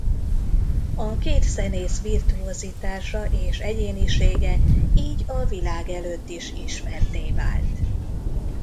A két zenész virtuozitása és egyénisége így a világ előtt is ismertté vált.